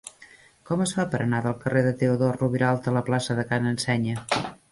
Com es fa per anar del carrer de Teodor Roviralta a la plaça de Ca n'Ensenya?